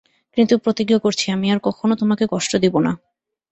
কিন্তু প্রতিজ্ঞা করছি, আমি আর কখনো তোমাকে কষ্ট দিব না।